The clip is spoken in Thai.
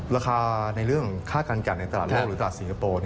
ราคาในเรื่องค่าการกันในตลาดโลกหรือตลาดสิงคโปร์